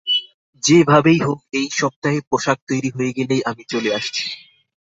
যে ভাবেই হোক, এই সপ্তাহে পোষাক তৈরী হয়ে গেলেই আমি চলে আসছি।